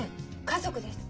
家族です。